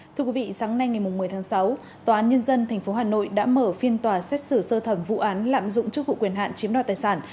thưa quý vị sáng nay ngày một mươi tháng sáu tòa án nhân dân tp hà nội đã mở phiên tòa xét xử sơ thẩm vụ án lạm dụng chức vụ quyền hạn chiếm đoạt tài sản